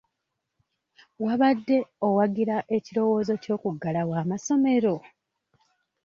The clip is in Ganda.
Wabadde owagira ekirowoozo ky'okuggalawo amasomero?